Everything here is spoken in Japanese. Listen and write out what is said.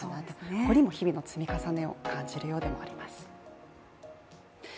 ここにも日々の積み重ねを感じるようでもあります。